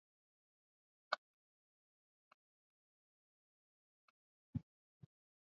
majeshi ya Kongo na Uganda yalitia saini Juni mosi kuongeza muda wa operesheni zao za kijeshi